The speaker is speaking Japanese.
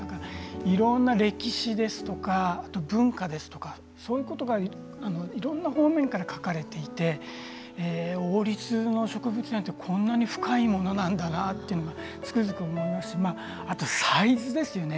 いろんな歴史ですとか文化ですとかそういったことがいろんな方面から描かれていて王立の植物園はこんなふうに深いものなんだなとつくづく思いますしあとはサイズですね。